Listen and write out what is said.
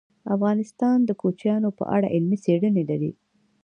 افغانستان د کوچیانو په اړه علمي څېړنې لري.